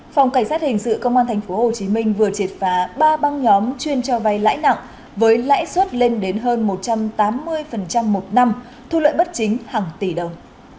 phòng cảnh sát hình sự công an tp hcm vừa triệt phá ba băng nhóm chuyên cho vay lãi nặng với lãi suất lên đến hơn một trăm tám mươi một năm thu lợi bất chính hàng tỷ đồng